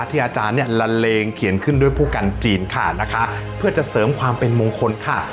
อาจารย์เนี่ยละเลงเขียนขึ้นด้วยผู้กันจีนค่ะนะคะเพื่อจะเสริมความเป็นมงคลค่ะ